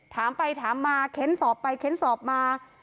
ถามไปถามมาเค้นสอบไปเค้นสอบมา